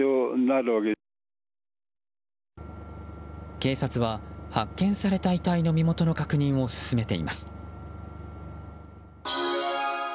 警察は発見された遺体の身元の確認を進めています。